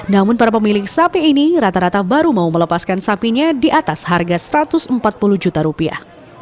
namun para pemilik sapi ini rata rata baru mau melepaskan sapinya di atas harga satu ratus empat puluh juta rupiah